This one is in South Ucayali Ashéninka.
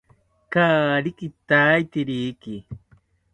Kaari kitairiki